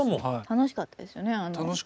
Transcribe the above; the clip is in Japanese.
楽しかったですね。